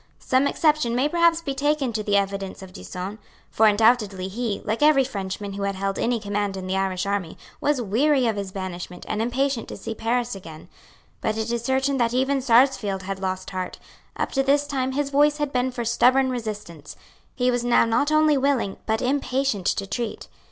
Some exception may perhaps be taken to the evidence of D'Usson; for undoubtedly he, like every Frenchman who had held any command in the Irish army, was weary of his banishment, and impatient to see Paris again. But it is certain that even Sarsfield had lost heart. Up to this time his voice had been for stubborn resistance. He was now not only willing, but impatient to treat. It seemed to him that the city was doomed.